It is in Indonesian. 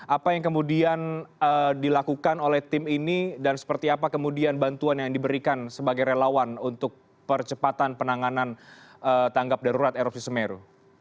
apa yang kemudian dilakukan oleh tim ini dan seperti apa kemudian bantuan yang diberikan sebagai relawan untuk percepatan penanganan tanggap darurat erupsi semeru